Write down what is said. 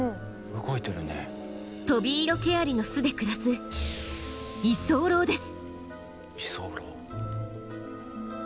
トビイロケアリの巣で暮らす居候です。